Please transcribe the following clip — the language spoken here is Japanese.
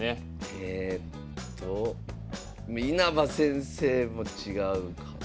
えっと稲葉先生も違うかな。